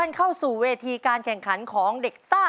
เข้าสู่เวทีการแข่งขันของเด็กซ่า